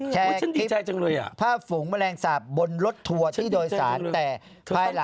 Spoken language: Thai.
แชร์คลิปผ้าฝูงแมลงสาปบนรถทัวร์ที่โดยสารแต่ภายหลัง